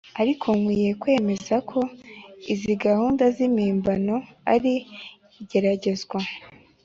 ariko nkwiye kwemeza ko izi gahunda zimpimbano ari igeragezwa,